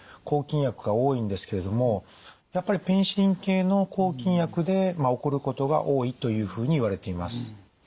抗菌薬が多いんですけれどもやっぱりペニシリン系の抗菌薬で起こることが多いというふうにいわれています。